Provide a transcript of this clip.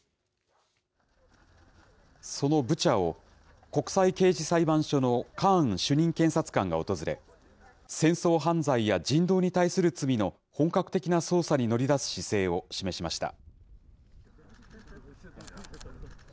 そのブチャを国際刑事裁判所のカーン主任検察官が訪れ、戦争犯罪や人道に対する罪の本格的な捜査に乗り出す姿勢を示しました。